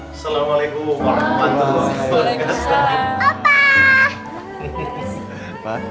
assalamualaikum warahmatullahi wabarakatuh